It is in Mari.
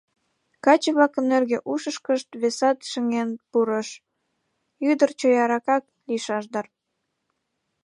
Каче-влакын нӧргӧ ушышкышт весат шыҥен пурыш: «Ӱдыр чояракак лийшаш дыр.